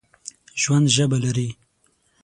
ژوندي ژبه لري